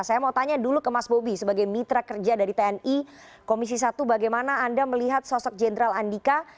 saya mau tanya dulu ke mas bobi sebagai mitra kerja dari tni komisi satu bagaimana anda melihat sosok jenderal andika